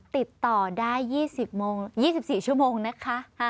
ติดต่อได้๒๔ชั่วโมงนะคะ